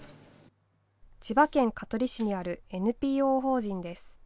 千葉県香取市にあるＮＰＯ法人です。